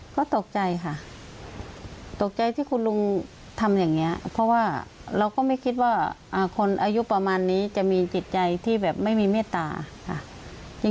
ก็ตกใจค่ะตกใจที่คุณลุงทำอย่างนี้เพราะว่าเราก็ไม่คิดว่าคนอายุประมาณนี้จะมีจิตใจที่แบบไม่มีเมตตาค่ะ